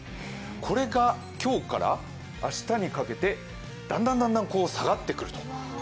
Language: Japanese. これが今日から明日にかけてだんだん下がってくると。